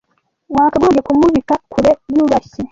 Wakagombye kumubika kure yubashye.